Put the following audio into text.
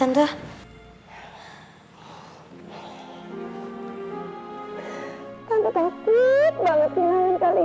tante takut banget sih nangis kalian